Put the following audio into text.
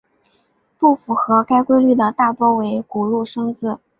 不符合该规律的大多为古入声字。